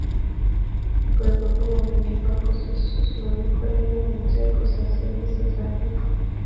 Urwego rw Umuvunyi rwakoze isuzumamikorere mu nzego na serivisi za Leta